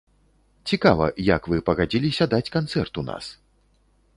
Цікава, як вы пагадзіліся даць канцэрт у нас?